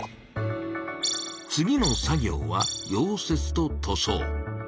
次の作業は「溶接」と「塗装」。